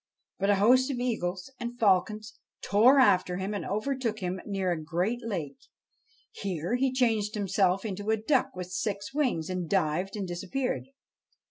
But a host of eagles and falcons tore after him and over took him near a great lake. Here he changed himself into a duck with six wings, and dived and disappeared.